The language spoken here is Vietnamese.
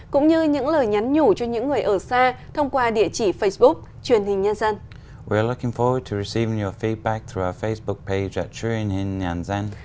cũng như những lời nhắn nhủ cho những người ở xa thông qua địa chỉ facebook truyền hình nhân dân